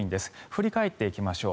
振り返っていきましょう。